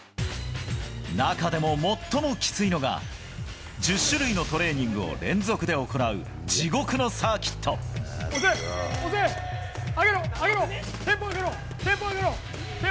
中でも最もきついのが１０種類のトレーニングを連続で行う地押せ、押せ！